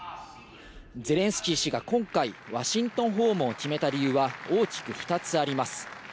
ゼレンスキー氏が今回、ワシントン訪問を決めた理由は大きく２つあります。